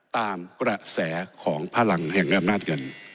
ตามกระแสของพลังแห่งอำนาจเงิน